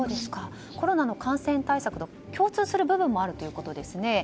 コロナの感染対策と共通する部分もあるということですね。